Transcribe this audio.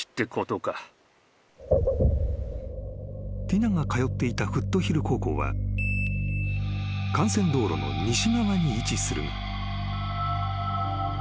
［ティナが通っていたフットヒル高校は幹線道路の西側に位置する］